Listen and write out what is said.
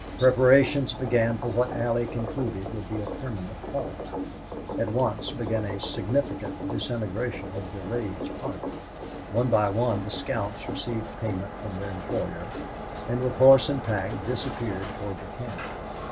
Preparations began for what Allie concluded was to be a permanent halt. At once began a significant disintegration of Durade's party. One by one the scouts received payment from their employer, and with horse and pack disappeared toward the camp.